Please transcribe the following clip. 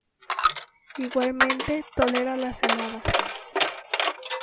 Igualmente tolera las heladas.